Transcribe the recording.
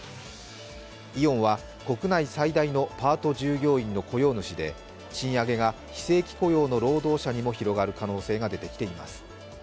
イオンは、国内最大のパート従業員の雇用主で賃上げが非正規雇用の労働者にも広がる可能性が出てきています。